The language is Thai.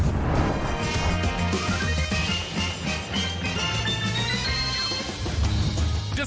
สวัสดีครับ